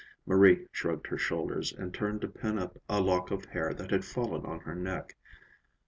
Marie shrugged her shoulders and turned to pin up a lock of hair that had fallen on her neck.